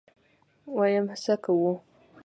ويم څه کوو.